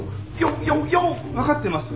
わかってます。